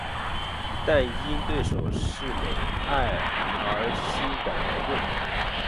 但因对手是美爱而心感矛盾。